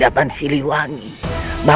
apa yang dilakukan